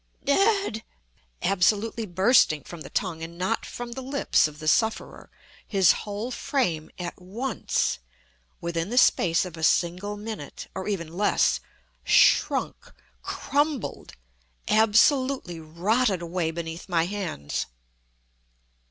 dead!" absolutely bursting from the tongue and not from the lips of the sufferer, his whole frame at once—within the space of a single minute, or even less, shrunk—crumbled—absolutely rotted away beneath my hands.